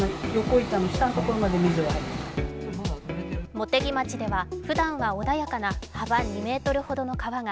茂木町では、ふだんは穏やかな幅２ｍほどの川が